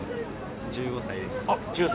１５歳です、中３。